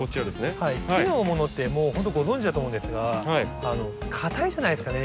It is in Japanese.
木のものってもうほんとご存じだと思うんですがかたいじゃないですかね